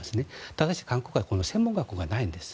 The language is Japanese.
ただし、韓国は専門学校がないんです。